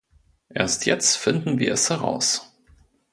Erst jetzt finden wir es heraus.